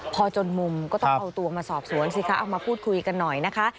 พอจนมุมก็ต้องเอาตัวมาสอบสวนสิคะเอามาพูดคุยกันหน่อยนะคะ